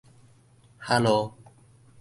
哈囉